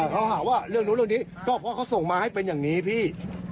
เขาหาว่าเรื่องนู้นเรื่องนี้ก็เพราะเขาส่งมาให้เป็นอย่างนี้พี่